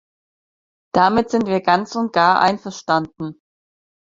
Damit sind wir ganz und gar einverstanden.